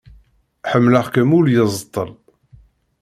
Ḥemmleɣ-kem ul yeẓṭel.